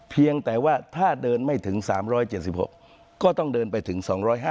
เพียงแต่ว่าถ้าเดินไม่ถึง๓๗๖ก็ต้องเดินไปถึง๒๕๖